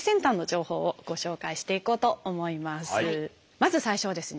まず最初はですね